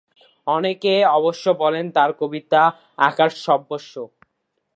অনেকে অবশ্য বলেন তার কবিতা 'আকারসর্বস্ব'।